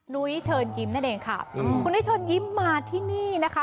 นุ้ยเชิญยิ้มนั่นเองค่ะคุณนุ้ยเชิญยิ้มมาที่นี่นะคะ